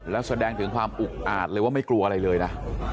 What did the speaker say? แล้วแสดงถึงความอุกอาจเลยว่าไม่กลัวอะไรเลยนะ